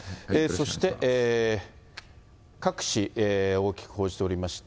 そして各紙大きく報じておりまして。